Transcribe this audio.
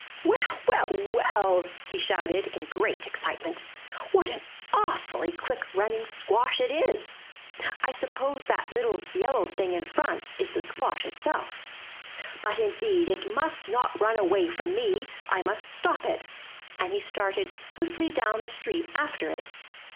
Well, well, well!'' he shouted, in great excitement, ''what an awfully quick running squash it is. I suppose that little yellow thing in front is the squash itself. But indeed it must not run away from me, I must stop it.'' And he started swiftly down the street after it.